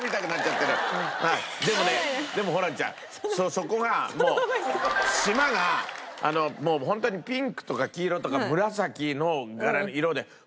そこがもう島がホントにピンクとか黄色とか紫の色で。